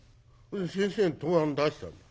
先生に答案出したの。